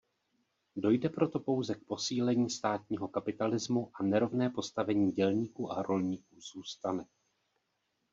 Dojde proto pouze k posílení státního kapitalismu a nerovné postavení dělníků a rolníků zůstane.